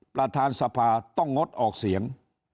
ประธานสภาต้องงดออกเสียง